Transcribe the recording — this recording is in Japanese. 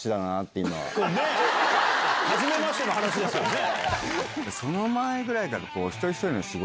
はじめましての話ですよね。